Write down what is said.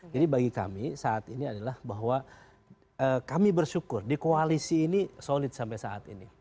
jadi bagi kami saat ini adalah bahwa kami bersyukur di koalisi ini solid sampai saat ini